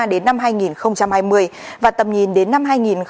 đến năm hai nghìn hai mươi và tầm nhìn đến năm hai nghìn ba mươi